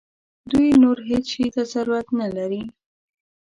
دوی نور هیڅ شي ته ضرورت نه لري.